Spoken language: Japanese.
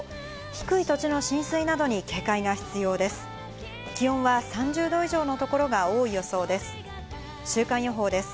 低い土地の浸水などに警戒が必要です。